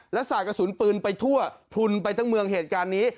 และสายกระสุนปืนไปทั่วพลุนไปทั้งเมืองเหตุการณ์นี้